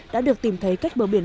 đã được tìm thấy trong bản tin